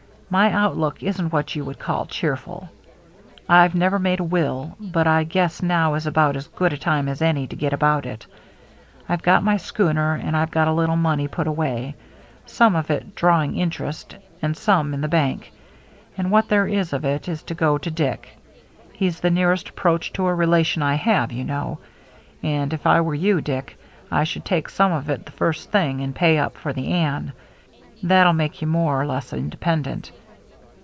My outlook isn't what you would call cheerful. I've never made a will, but I guess now is about as good a time as any to get about it. I've got my schooner, and I've got a little money put away, — some of it drawing interest and some in the bank, — and what there is of it is to go to Dick. He's the nearest approach to a relation I have, you know. And if I were you, Dick, HARBOR LIGHTS 383 I should take some of it the first thing and pay up for the Anne. That'll make you more or less independent.